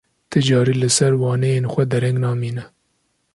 Ti carî li ser waneyên xwe dereng namîne.